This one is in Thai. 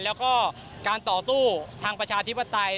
แล้วก็การต่อสู้ทางประชาธิปไตย